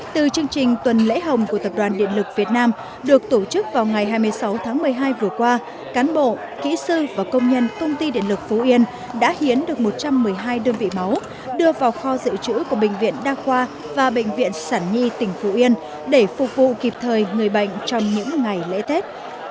từ chương trình tuần lễ hồng của tập đoàn điện lực việt nam được tổ chức vào ngày hai mươi sáu tháng một mươi hai vừa qua cán bộ kỹ sư và công nhân công ty điện lực phú yên đã hiến được một trăm một mươi hai đơn vị máu đưa vào kho dự trữ của bệnh viện đa khoa và bệnh viện sản nhi tỉnh phú yên để phục vụ kịp thời người bệnh trong những ngày lễ tết